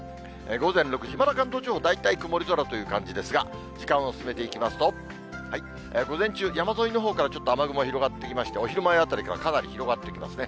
午前６時、まだ関東地方、大体曇り空という感じですが、時間を進めていきますと、午前中、山沿いのほうからちょっと雨雲広がってきまして、お昼前あたりからかなり広がってきますね。